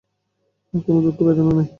কোন দুঃখ-বেদনা নেই।